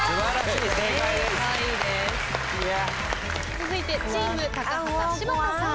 続いてチーム高畑柴田さん。